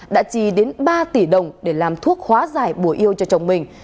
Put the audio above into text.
đã chi đến ba tỷ đồng để làm thuốc hóa giải bùa yêu cho chồng mình